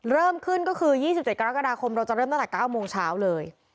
เริ่มขึ้นก็คือ๒๗กรกฎาคมเราจะเริ่มตั้งแต่๙โมงเช้าเลย